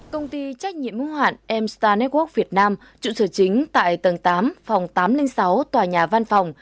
công ty trách nhiệm mũ hạn amstar network việt nam trụ sở chính tại tầng tám phòng tám trăm linh sáu tòa nhà văn phòng